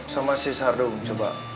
sama si sardung coba